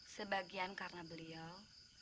sebagian karena beliau